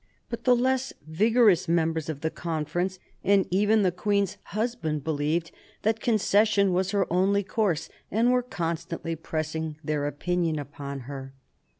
But the less vigorous members of the Conference, and even the queen's / 1740 43 WAR OF SUCCESSION 18 husband, believed that concession was her only course, and were constantly pressing their opinion upon her.